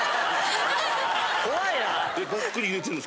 怖いな。